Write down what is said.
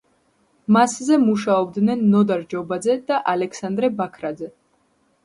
მასზე მუშაობდნენ ნოდარ ჯობაძე და ალექსანდრე ბაქრაძე.